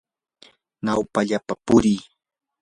nawpallapa purii.